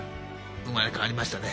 生まれ変わりましたね。